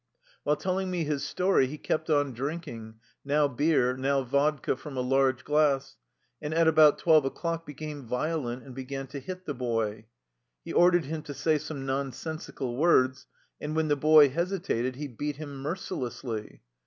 While telling me his story, he kept on drink ing, now beer, now vodka from a large glass, and at about twelve o'clock became violent, and be gan to hit the boy. He ordered him to say some nonsensical words, and when the boy hesitated, he beat him mercilessly.